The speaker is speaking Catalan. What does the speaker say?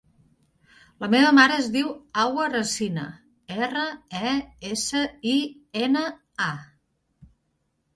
La meva mare es diu Hawa Resina: erra, e, essa, i, ena, a.